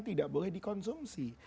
tidak boleh dikonsumsi